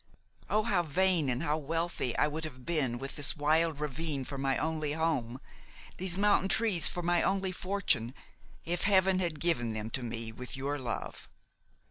Oh! how vain and how wealthy I would have been with this wild ravine for my only home, these mountain trees for my only fortune, if heaven had given them to me with your love!